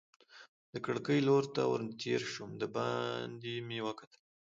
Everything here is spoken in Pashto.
د کړکۍ لور ته ور تېر شوم، دباندې مې وکتل.